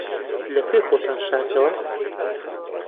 لەکوێ خۆتان شاردەوە؟